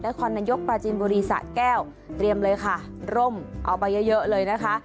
และคนนโยคประจินบริษัทแก้วเตรียมเลยค่ะร่มเอาไปเยอะเยอะเลยนะคะ